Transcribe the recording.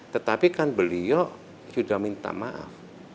tetapi kan beliau sudah minta maaf